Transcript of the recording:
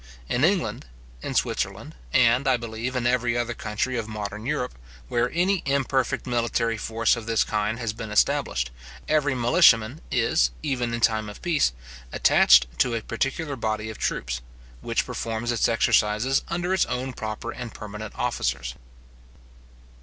In England, in Switzerland, and, I believe, in every other country of modern Europe, where any imperfect military force of this kind has been established, every militiaman is, even in time of peace, attached to a particular body of troops, which performs its exercises under its own proper and permanent officers.